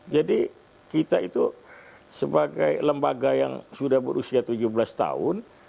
jadi kita itu sebagai lembaga yang sudah berusia tujuh belas tahun